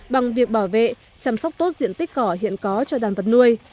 bằng việc bảo vệ chăm sóc tốt diện tích cỏ hiện có cho đàn vật nuôi